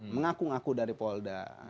mengaku ngaku dari polda